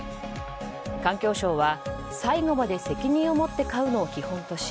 環境省は、最後まで責任を持って飼うのを基本とし